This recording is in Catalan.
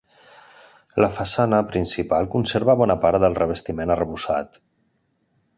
La façana principal conserva bona part del revestiment arrebossat.